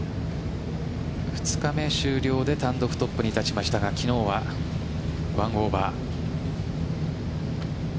２日目終了で単独トップに立ちましたが昨日は１オーバー。